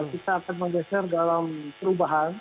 kita akan menggeser dalam perubahan